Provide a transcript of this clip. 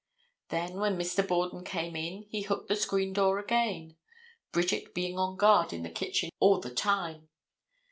Then, when Mr. Borden came in he hooked the screen door again, Bridget being on guard in the kitchen all the time.